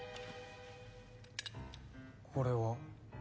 これは？